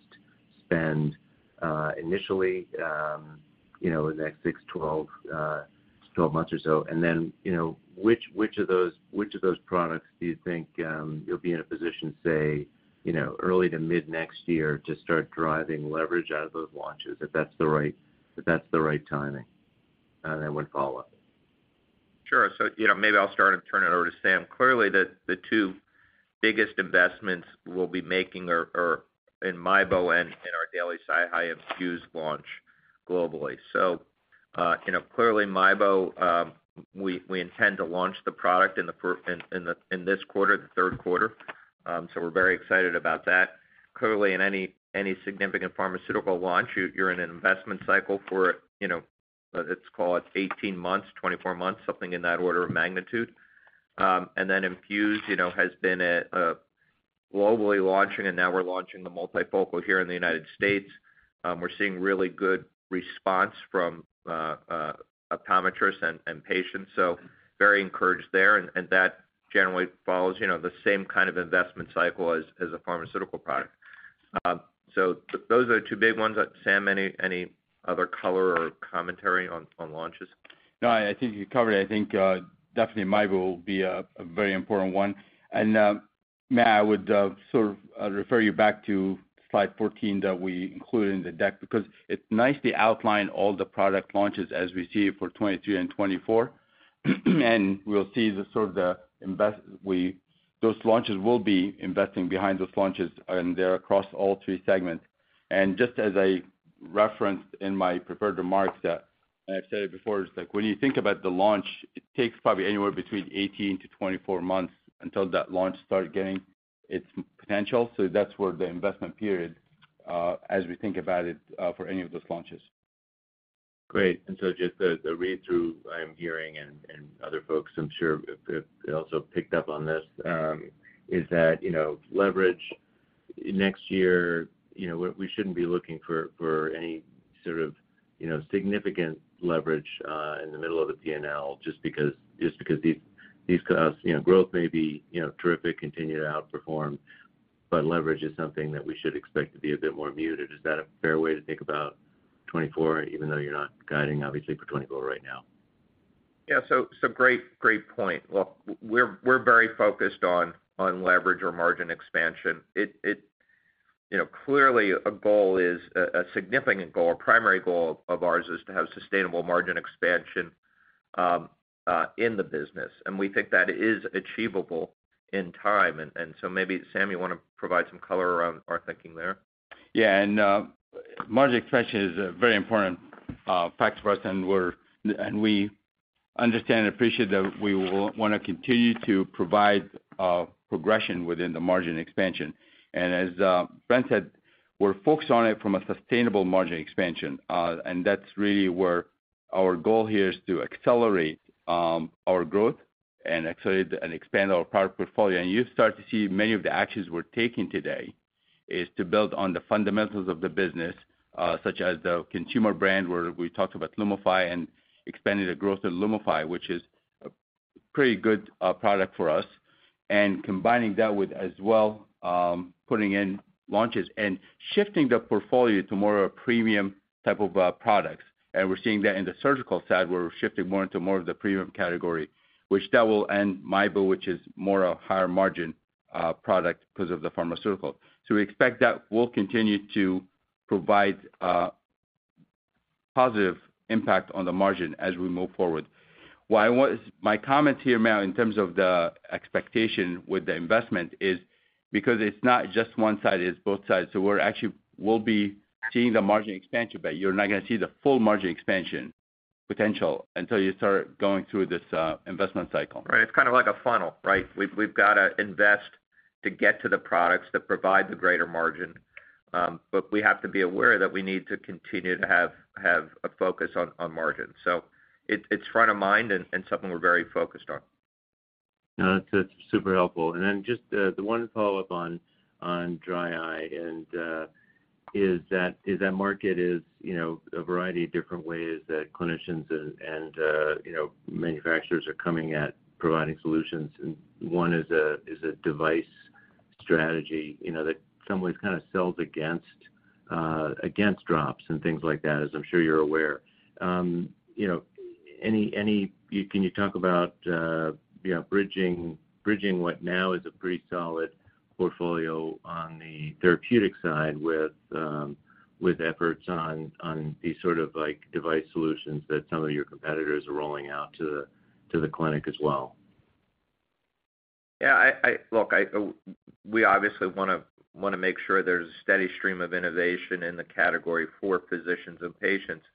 spend, initially, you know, in the next six, 12, to 12 months or so? Then, you know, which, which of those, which of those products do you think, you'll be in a position, say, you know, early to mid-next year to start driving leverage out of those launches, if that's the right, if that's the right timing? I would follow up. Sure. you know, maybe I'll start and turn it over to Sam. Clearly, the two biggest investments we'll be making are in MIEBO and in our INFUSE SiHy INFUSE launch globally. you know, clearly, MIEBO, we intend to launch the product in this quarter, the third quarter. We're very excited about that. Clearly, in any significant pharmaceutical launch, you're in an investment cycle for, you know, let's call it 18 months, 24 months, something in that order of magnitude. INFUSE, you know, has been at globally launching, and now we're launching the multifocal here in the United States. We're seeing really good response from optometrists and patients, so very encouraged there, and that generally follows, you know, the same kind of investment cycle as a pharmaceutical product. Those are the two big ones. Sam, any other color or commentary on launches? No, I think you covered it. I think, definitely MIEBO will be a very important one. Matt, I would sort of refer you back to slide 14 that we included in the deck, because it nicely outlined all the product launches as we see it for 2022 and 2024. We'll see the sort of Those launches will be investing behind those launches, and they're across all three segments. Just as I referenced in my prepared remarks, that, and I've said it before, it's like when you think about the launch, it takes probably anywhere between 18 to 24 months until that launch starts getting its potential. That's where the investment period, as we think about it, for any of those launches. Great. So just the, the read-through I am hearing, and, and other folks I'm sure have, have also picked up on this, is that, you know, leverage next year, you know, we, we shouldn't be looking for, for any sort of, you know, significant leverage, in the middle of the PNL, just because, just because these, these, you know, growth may be, you know, terrific, continue to outperform. Leverage is something that we should expect to be a bit more muted. Is that a fair way to think about 2024, even though you're not guiding obviously for 2024 right now? Yeah, so great, great point. Look, we're, we're very focused on, on leverage or margin expansion. It, it, you know, clearly, a goal is a, a significant goal, a primary goal of ours is to have sustainable margin expansion in the business, and we think that is achievable in time. maybe, Sam, you want to provide some color around our thinking there? Yeah, margin expansion is a very important fact for us, and we understand and appreciate that we want to continue to provide progression within the margin expansion. As Brent said, we're focused on it from a sustainable margin expansion. That's really where our goal here is to accelerate our growth and accelerate and expand our product portfolio. You start to see many of the actions we're taking today is to build on the fundamentals of the business, such as the consumer brand, where we talked about LUMIFY and expanding the growth of LUMIFY, which is a pretty good product for us. Combining that with, as well, putting in launches and shifting the portfolio to more of a premium type of products. We're seeing that in the surgical side, where we're shifting more into more of the premium category, which that will end MIEBO, which is more a higher margin product because of the pharmaceutical. We expect that will continue to provide a positive impact on the margin as we move forward. My comment here, Matt, in terms of the expectation with the investment is because it's not just one side, it's both sides. We're actually, we'll be seeing the margin expansion, but you're not gonna see the full margin expansion potential until you start going through this investment cycle. Right. It's kind of like a funnel, right? We've, we've got to invest to get to the products that provide the greater margin, but we have to be aware that we need to continue to have, have a focus on, on margin. It's, it's front of mind and, and something we're very focused on. No, that's, super helpful. Then just, the one follow-up on, on dry eye, and, is that, is that market is, you know, a variety of different ways that clinicians and, and, you know, manufacturers are coming at providing solutions, and one is a, is a device strategy, you know, that some ways kind of sells against, against drops and things like that, as I'm sure you're aware. You know, any can you talk about, you know, bridging, bridging what now is a pretty solid portfolio on the therapeutic side with, with efforts on, on these sort of like, device solutions that some of your competitors are rolling out to the, to the clinic as well? Yeah, look, I, we obviously want to, want to make sure there's a steady stream of innovation in the category for physicians and patients,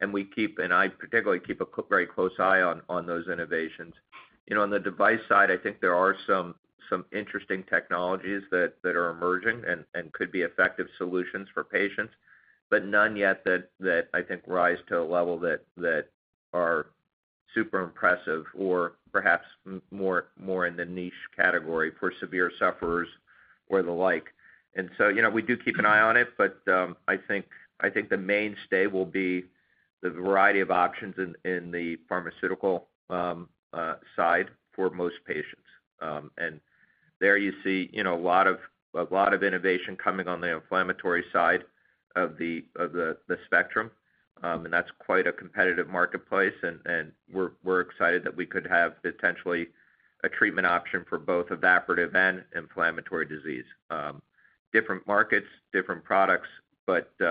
and we keep, and I particularly keep a very close eye on, on those innovations. You know, on the device side, I think there are some, some interesting technologies that, that are emerging and, and could be effective solutions for patients, but none yet that, that I think rise to a level that, that are super impressive or perhaps more, more in the niche category for severe sufferers or the like. You know, we do keep an eye on it, but I think, I think the mainstay will be the variety of options in, in the pharmaceutical side for most patients. There you see, you know, a lot of, a lot of innovation coming on the inflammatory side of the spectrum, and that's quite a competitive marketplace, and we're excited that we could have potentially a treatment option for both evaporative and inflammatory disease. Different markets, different products, but, you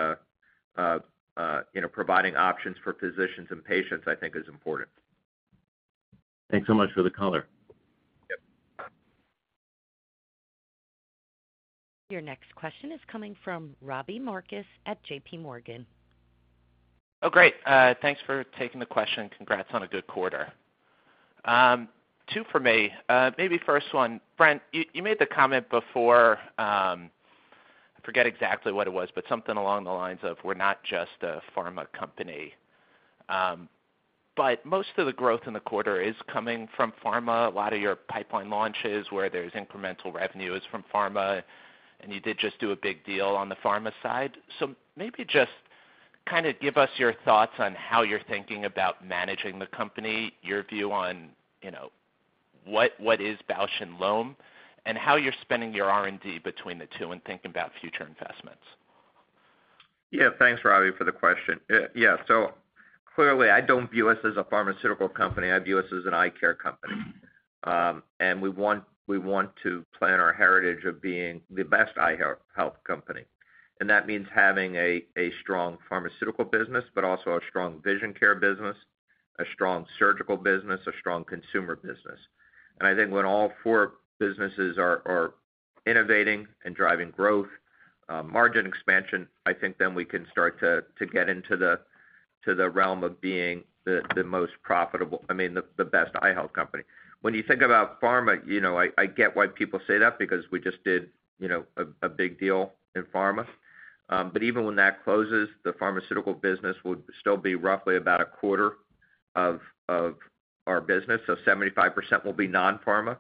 know, providing options for physicians and patients, I think, is important. Thanks so much for the color. Yep. Your next question is coming from Robbie Marcus at J.P. Morgan. Great. Thanks for taking the question. Congrats on a good quarter. Two for me. Maybe first one, Brent, you, you made the comment before, I forget exactly what it was, but something along the lines of: We're not just a pharma company. Most of the growth in the quarter is coming from pharma. A lot of your pipeline launches, where there's incremental revenue, is from pharma, and you did just do a big deal on the pharma side. Maybe just kind of give us your thoughts on how you're thinking about managing the company, your view on, you know, what, what is Bausch + Lomb, and how you're spending your R&D between the two and thinking about future investments. Yeah. Thanks, Robbie, for the question. Clearly, I don't view us as a pharmaceutical company. I view us as an eye care company. We want, we want to plan our heritage of being the best eye health company. That means having a, a strong pharmaceutical business, but also a strong Vision Care business, a strong surgical business, a strong consumer business. I think when all four businesses are, are innovating and driving growth, margin expansion, I think then we can start to, to get into the, to the realm of being the, the most profitable, I mean, the, the best eye health company. When you think about pharma, you know, I, I get why people say that, because we just did, you know, a, a big deal in pharma. Even when that closes, the pharmaceutical business would still be roughly about a quarter of our business, so 75% will be non-pharma.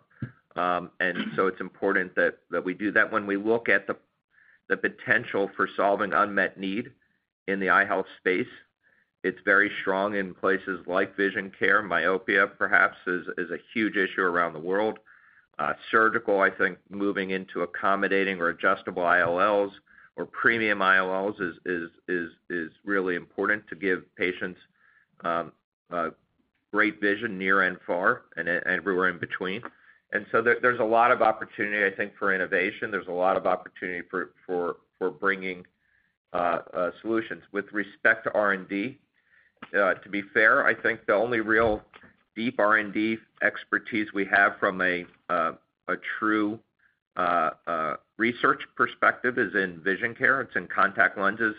It's important that we do that. When we look at the potential for solving unmet need in the eye health space. It's very strong in places like Vision Care. Myopia, perhaps, is a huge issue around the world. Surgical, I think moving into accommodating or adjustable IOLs or premium IOLs is really important to give patients great vision near and far and everywhere in between. There's a lot of opportunity, I think, for innovation. There's a lot of opportunity for bringing solutions. With respect to R&D, to be fair, I think the only real deep R&D expertise we have from a true research perspective is in Vision Care. It's in contact lenses,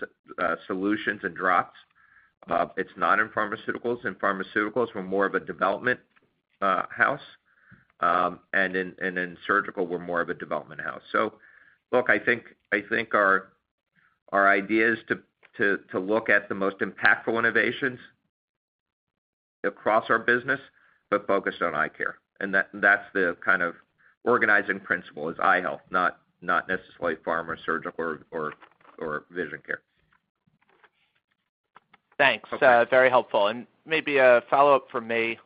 solutions and drops. It's not in pharmaceuticals. In pharmaceuticals, we're more of a development house, and in, and in surgical, we're more of a development house. Look, I think, I think our, our idea is to to to look at the most impactful innovations across our business, but focused on eye care. That, that's the kind of organizing principle is eye health, not, not necessarily pharma or surgical or or or Vision Care. Thanks. Okay. Very helpful. Maybe a follow-up from me.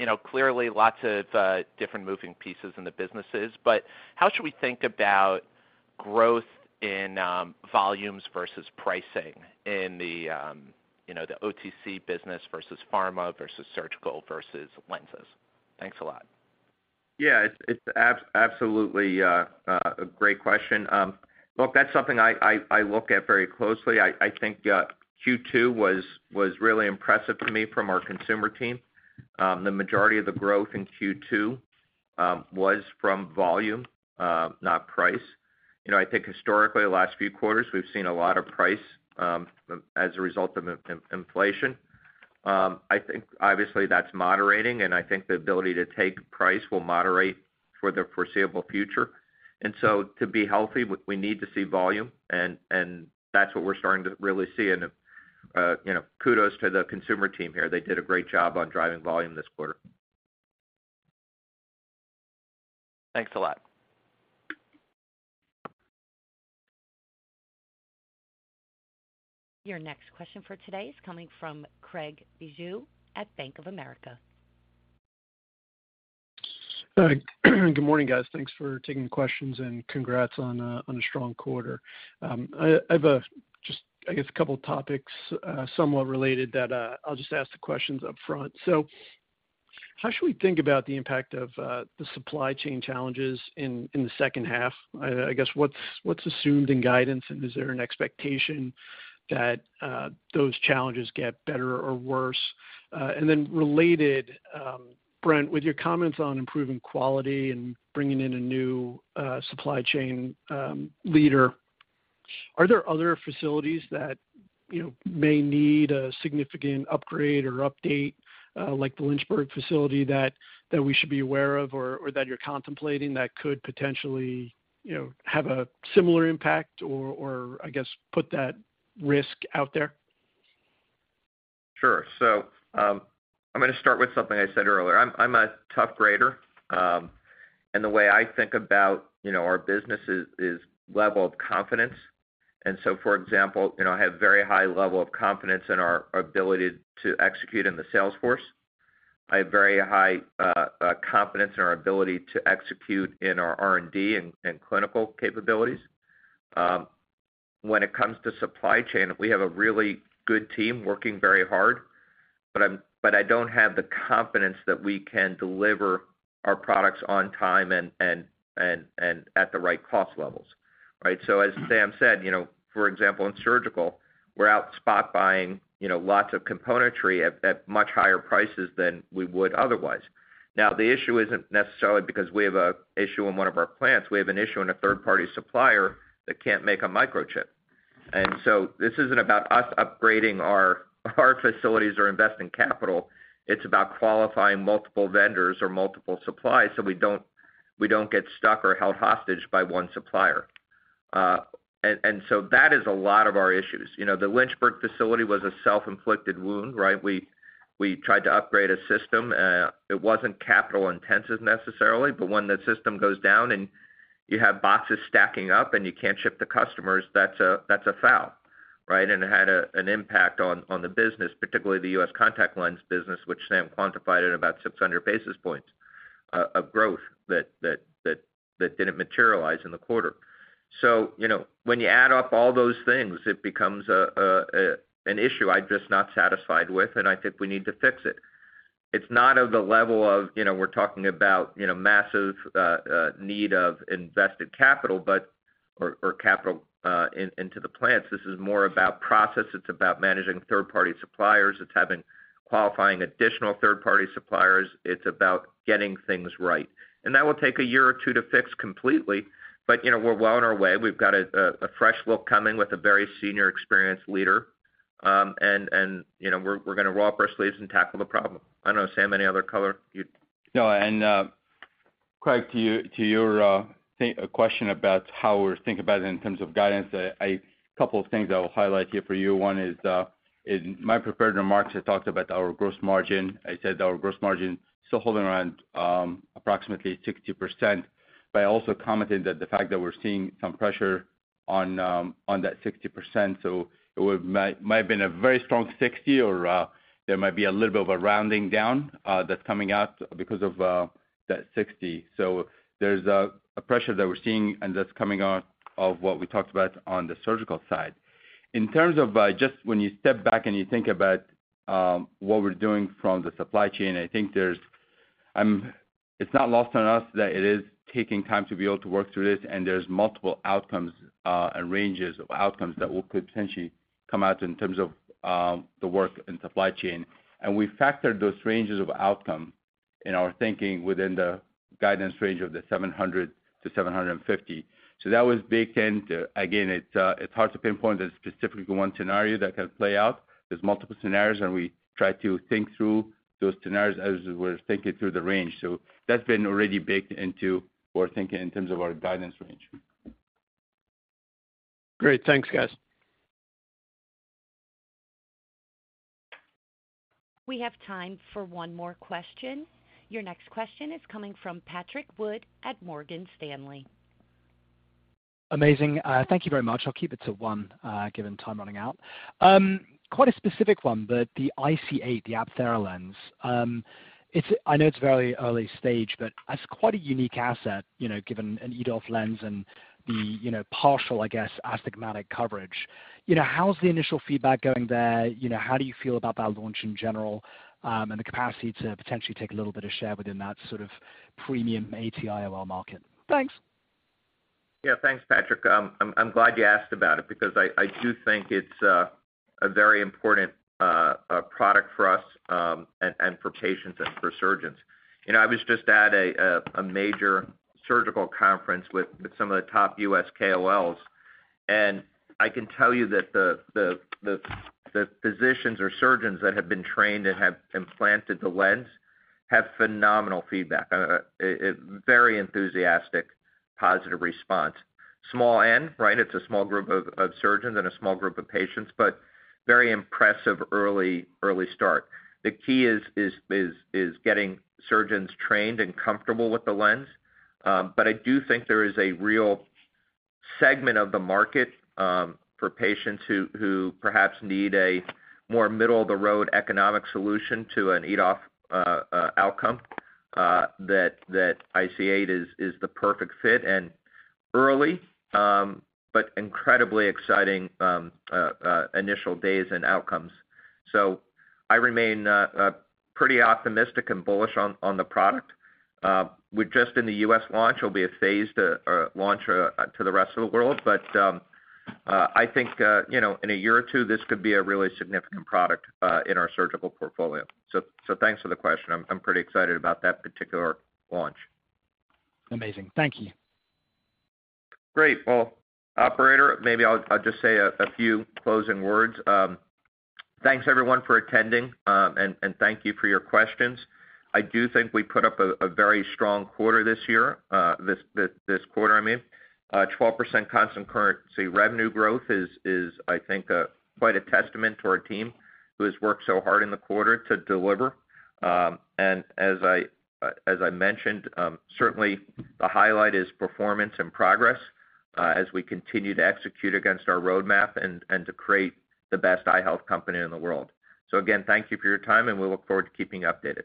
You know, clearly lots of different moving pieces in the businesses, but how should we think about growth in volumes versus pricing in the, you know, the OTC business versus pharma versus surgical versus lenses? Thanks a lot. Yeah, it's, it's absolutely a great question. Look, that's something I, I, I look at very closely. I, I think Q2 was really impressive to me from our consumer team. The majority of the growth in Q2 was from volume, not price. You know, I think historically, the last few quarters, we've seen a lot of price as a result of inflation. I think, obviously, that's moderating, and I think the ability to take price will moderate for the foreseeable future. To be healthy, we need to see volume, and that's what we're starting to really see. You know, kudos to the consumer team here. They did a great job on driving volume this quarter. Thanks a lot. Your next question for today is coming from Craig Bijou at Bank of America. Hi, good morning, guys. Thanks for taking questions, and congrats on a, on a strong quarter. I, I have a just, I guess, a couple topics, somewhat related that, I'll just ask the questions up front. How should we think about the impact of the supply chain challenges in, in the second half? I guess, what's, what's assumed in guidance, and is there an expectation that those challenges get better or worse? Then related, Brent, with your comments on improving quality and bringing in a new supply chain leader, are there other facilities that, you know, may need a significant upgrade or update, like the Lynchburg facility, that, that we should be aware of, or, or that you're contemplating that could potentially, you know, have a similar impact or, or I guess, put that risk out there? Sure. I'm gonna start with something I said earlier. I'm, I'm a tough grader, and the way I think about, you know, our business is, is level of confidence. For example, you know, I have very high level of confidence in our ability to execute in the sales force. I have very high confidence in our ability to execute in our R&D and, and clinical capabilities. When it comes to supply chain, we have a really good team working very hard, but I'm, but I don't have the confidence that we can deliver our products on time and, and, and, and at the right cost levels, right? As Sam said, you know, for example, in surgical, we're out spot buying, you know, lots of componentry at, at much higher prices than we would otherwise. Now, the issue isn't necessarily because we have a issue in one of our plants, we have an issue in a third-party supplier that can't make a microchip. This isn't about us upgrading our, our facilities or investing capital, it's about qualifying multiple vendors or multiple suppliers, so we don't, we don't get stuck or held hostage by one supplier. That is a lot of our issues. You know, the Lynchburg facility was a self-inflicted wound, right? We, we tried to upgrade a system. It wasn't capital intensive necessarily, but when the system goes down and you have boxes stacking up and you can't ship to customers, that's a, that's a foul, right? It had an impact on the business, particularly the U.S. contact lens business, which Sam quantified at about 600 basis points of growth that didn't materialize in the quarter. You know, when you add up all those things, it becomes an issue I'm just not satisfied with, and I think we need to fix it. It's not of the level of, you know, we're talking about, you know, massive need of invested capital, but or capital into the plants. This is more about process. It's about managing third-party suppliers. It's having qualifying additional third-party suppliers. It's about getting things right. That will take a year or two to fix completely, but, you know, we're well on our way. We've got a fresh look coming with a very senior experienced leader. You know, we're, we're gonna roll up our sleeves and tackle the problem. I don't know, Sam, any other color you'd... No, Craig, to your, to your thing, a question about how we're thinking about it in terms of guidance. Couple of things I will highlight here for you. One is, in my prepared remarks, I talked about our gross margin. I said our gross margin is still holding around approximately 60%. I also commented that the fact that we're seeing some pressure on, on that 60%, so it might, might have been a very strong 60 or, there might be a little bit of a rounding down, that's coming out because of that 60. There's a pressure that we're seeing, and that's coming out of what we talked about on the surgical side. In terms of, just when you step back and you think about, what we're doing from the supply chain, I think there's, it's not lost on us that it is taking time to be able to work through this, and there's multiple outcomes, and ranges of outcomes that will potentially come out in terms of, the work in supply chain. We factored those ranges of outcome in our thinking within the guidance range of the $700-$750. That was baked into, again, it's, it's hard to pinpoint the specific one scenario that can play out. There's multiple scenarios, and we try to think through those scenarios as we're thinking through the range. That's been already baked into our thinking in terms of our guidance range. Great, thanks, guys. We have time for one more question. Your next question is coming from Patrick Wood at Morgan Stanley. Amazing. thank you very much. I'll keep it to one, given time running out. quite a specific one, but the IC-8, the Apthera lens. it's I know it's very early stage, but that's quite a unique asset, you know, given an EDOF lens and the, you know, partial, I guess, astigmatic coverage. You know, how's the initial feedback going there? You know, how do you feel about that launch in general, and the capacity to potentially take a little bit of share within that sort of premium AT-IOL market? Thanks. Yeah. Thanks, Patrick. I'm, I'm glad you asked about it because I, I do think it's a very important product for us, and for patients and for surgeons. You know, I was just at a major surgical conference with some of the top U.S. KOLs, and I can tell you that the physicians or surgeons that have been trained and have implanted the lens have phenomenal feedback. A very enthusiastic, positive response. Small end, right? It's a small group of surgeons and a small group of patients, but very impressive early, early start. The key is getting surgeons trained and comfortable with the lens. I do think there is a real segment of the market for patients who, who perhaps need a more middle-of-the-road economic solution to an EDOF outcome that IC-8 is, is the perfect fit and early, but incredibly exciting, initial days and outcomes. I remain pretty optimistic and bullish on, on the product. We're just in the US launch. It'll be a phased launch to the rest of the world, but, I think, you know, in a year or two, this could be a really significant product in our surgical portfolio. So thanks for the question. I'm, I'm pretty excited about that particular launch. Amazing. Thank you. Great! Well, operator, maybe I'll, I'll just say a, a few closing words. Thanks everyone for attending, and, and thank you for your questions. I do think we put up a, a very strong quarter this year, this, this, this quarter, I mean. 12% constant currency revenue growth is, is I think, quite a testament to our team who has worked so hard in the quarter to deliver. As I, as I mentioned, certainly the highlight is performance and progress, as we continue to execute against our roadmap and, and to create the best eye health company in the world. Again, thank you for your time, and we look forward to keeping you updated.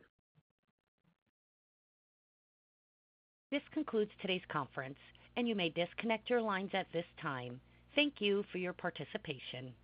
This concludes today's conference. You may disconnect your lines at this time. Thank you for your participation.